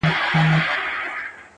o جت مي تک تور، نې عېب سته نه پېغور!